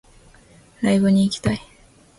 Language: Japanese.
ライブに行きたい